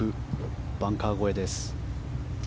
バンカー越えです。